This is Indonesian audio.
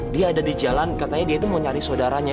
dia ada di jalan katanya dia itu mau nyari saudaranya